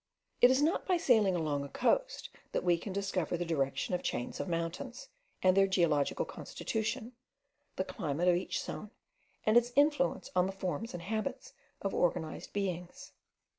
It is not by sailing along a coast that we can discover the direction of chains of mountains, and their geological constitution, the climate of each zone, and its influence on the forms and habits of organized beings.